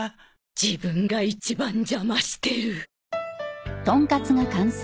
自分が一番じゃましてる！